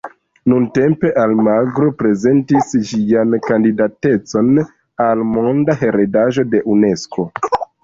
Nuntempe, Almagro prezentis ĝian kandidatecon al Monda heredaĵo de Unesko.